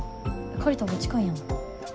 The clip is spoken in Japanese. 借りたほうが近いやん。